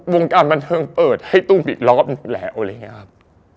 วงการบรรเทิงเปิดให้ตุ้มอีกรอบหนึ่งแล้วอะไรอย่างงี้อะครับ